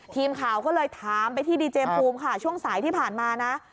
ทีมข่าวก็เลยถามไปที่ดีเจภูมิค่ะช่วงสายที่ผ่านมานะ